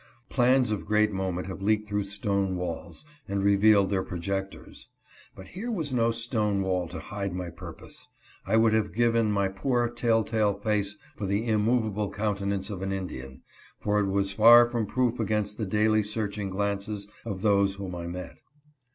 Plans of great moment have leaked through stone walls, and revealed their projectors. But here was no stone wall to hide my purpose. I would have given my poor tell tale face for the immovable countenance of an Indian, for it was far from proof against the daily searching glances of those whom I met.